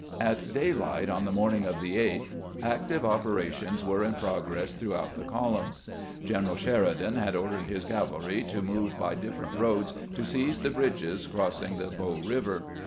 At daylight on the morning of the 8th active opera tions were in progress throughout the columns. Gren eral Sheridan had ordered his cavalry to move by different roads to seize the bridges crossing the Po Eiver.